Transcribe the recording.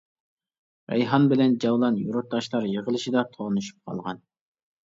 رەيھان بىلەن جەۋلان يۇرتداشلار يىغىلىشىدا تونۇشۇپ قالغان.